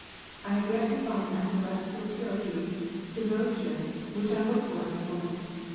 I have yet to find that celestial purity, devotion, which I look for in woman.